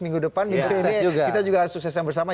kita juga harus sukses yang bersama